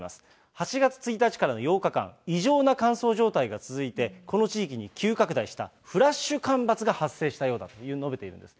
８月１日からの８日間、異常な乾燥状態が続いて、この地域に急拡大したフラッシュ干ばつが発生したようだというふうに述べているんです。